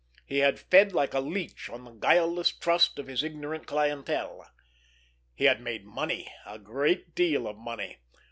He had fed like a leech on the guileless trust of his ignorant clientele. He had made money—a great deal of money.